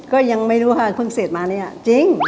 ก็ยังไม่รู้ว่าเพิ่งเสพมาเนี่ยจริง